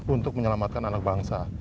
untuk menyelamatkan anak bangsa